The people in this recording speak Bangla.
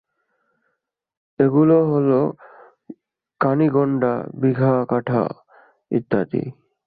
এগুলো হলো কানি-গন্ডা, বিঘা-কাঠা ইত্যাদি।